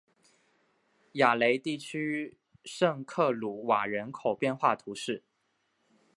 雅雷地区圣克鲁瓦人口变化图示